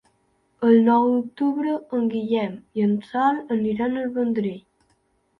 El nou d'octubre en Guillem i en Sol aniran al Vendrell.